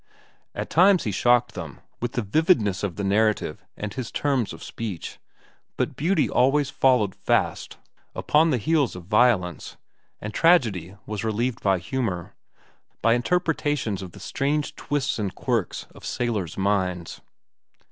At times he shocked them with the vividness of the narrative and his terms of speech, but beauty always followed fast upon the heels of violence, and tragedy was relieved by humor, by interpretations of the strange twists and quirks of sailors' minds.